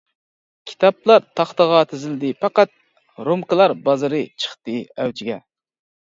كىتابلار تاختىغا تىزىلدى پەقەت، رومكىلار بازىرى چىقتى ئەۋجىگە.